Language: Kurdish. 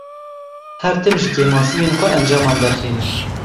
Her tim ji kemasiyên xwe encaman derxîne.